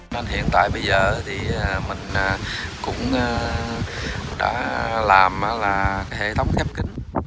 nên hiện tại bây giờ thì mình cũng đã làm là hệ thống khép kính